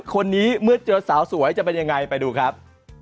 คนนี้เมื่อเจอสาวสวยจะเป็นยังไงไปดูครับ